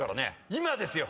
今ですよ